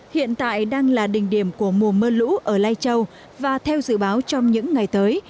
hiện tại đang là đỉnh điểm của mùa mưa lũ ở lai châu và theo dự báo trong những ngày tới